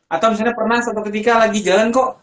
atau misalnya pernah satu ketika lagi jalan kok